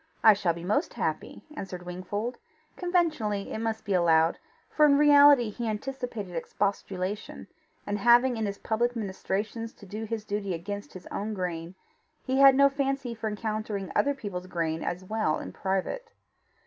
"I shall be most happy," answered Wingfold conventionally, it must be allowed, for in reality he anticipated expostulation, and having in his public ministrations to do his duty against his own grain, he had no fancy for encountering other people's grain as well in private.